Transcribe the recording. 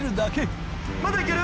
まだいける？